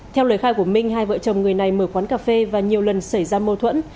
theo lời khai của minh hai vợ chồng người này mở quán cà phê và nhiều lần xảy ra mâu thuẫn